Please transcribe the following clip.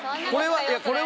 これは。